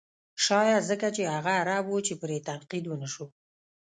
شاید ځکه چې هغه عرب و چې پرې تنقید و نه شو.